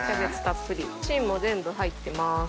芯も全部入ってます。